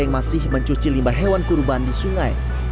yang masih mencuci limbah hewan kurban di sungai